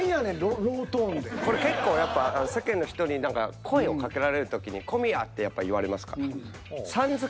結構やっぱ世間の人に声をかけられる時に「小宮！」ってやっぱ言われますから。